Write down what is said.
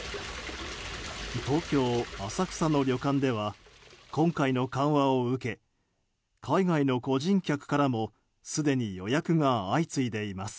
東京・浅草の旅館では今回の緩和を受け海外の個人客からもすでに予約が相次いでいます。